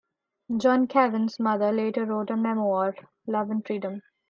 Jan Kavan's mother later wrote a memoir, "Love and Freedom".